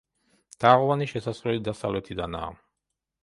თაღოვანი შესასვლელი დასავლეთიდანაა.